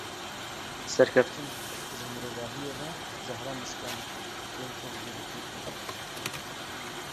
Serketin, ji mirovahiyê re jehra mişkan e; kêm kes jê difilitin.